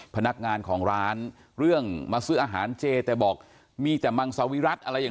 พนักงานของร้านเรื่องมาซื้ออาหารเจแต่บอกมีแต่มังสวิรัติอะไรอย่าง